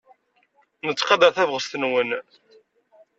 Nettqadar tabɣest-nwen.